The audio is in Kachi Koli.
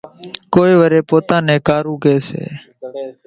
ڪونئين وريَ پوتا نين ڪارُو ڪيَ سي۔